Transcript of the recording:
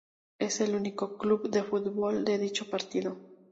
Es el único club de fútbol de dicho partido.